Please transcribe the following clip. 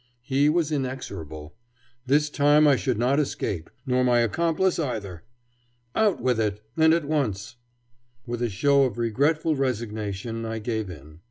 He was inexorable. This time I should not escape, nor my accomplice either. Out with it, and at once. With a show of regretful resignation I gave in.